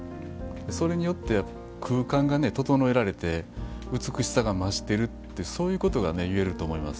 それによって、空間が整えられて美しさが増してるってそういうことがいえると思います。